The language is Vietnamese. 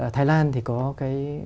thái lan thì có cái